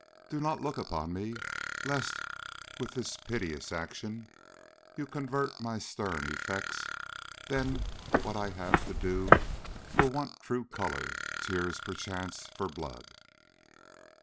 Do not look upon me; Lest, with this piteous action, you convert My stern effects! then what I have to do Will want true color; tears, perchance, for blood.